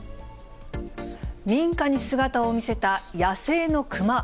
民家に姿を見せた野生の熊。